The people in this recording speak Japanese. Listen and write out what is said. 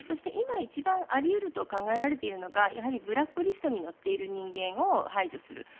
今、一番あり得ると考えられているのがやはりブラックリストに載っている人間を排除する。